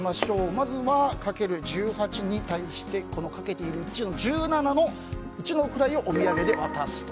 まずは、かける１８に対してこのかけている１７の一の位をおみやげで渡すと。